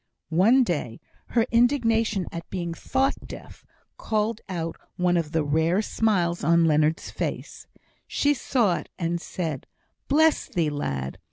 One day, her indignation at being thought deaf called out one of the rare smiles on Leonard's face; she saw it, and said, "Bless thee, lad!